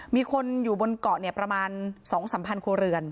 มีคนอยู่บนเกาะเนี้ยประมาณสองสามพันครัวเรือน